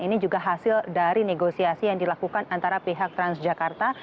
ini juga hasil dari negosiasi yang dilakukan antara pihak transjakarta